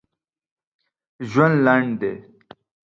ژوند لنډ دی